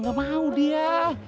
gak mau dia